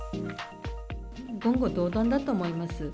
言語道断だと思います。